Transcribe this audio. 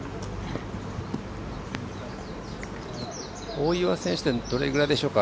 大岩選手でどのぐらいでしょうか？